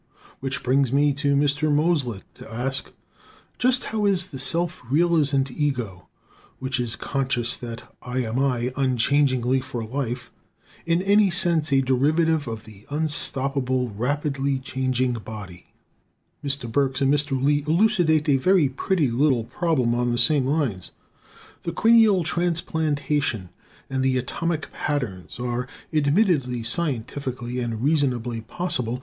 Which brings me to Mr. Mosleh, to ask: Just how is the self realizant ego, which is conscious that "I am I" unchangingly for life, in any sense a derivative of the unstable, rapidly changing body? Mr. Burks and Mr. Lee elucidate a very pretty little problem on the same lines. The cranial transplantation and the "atomic patterns" are admittedly scientifically and reasonably possible.